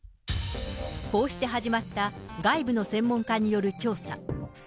こうして始まった外部の専門家による調査。